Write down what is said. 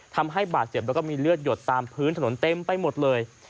ทำให้บาดเจ็บแล้วก็มีเลือดหยดตามพื้นถนนเต็มไปหมดเลย